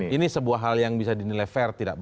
ini sebuah hal yang bisa dinilai fair